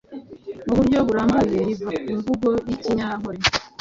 Mu buryo burambuye, riva ku mvugo y’Ikinyankore “